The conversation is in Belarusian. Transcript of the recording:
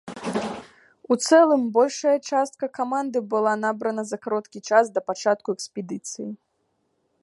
У цэлым, большая частка каманды была набрана за кароткі час да пачатку экспедыцыі.